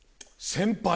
先輩。